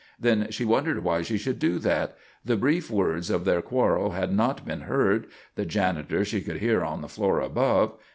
Then she wondered why she should do that. The brief words of their quarrel had not been heard; the janitor she could hear on the floor above.